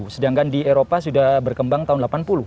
sedangkan di eropa sudah berkembang tahun delapan puluh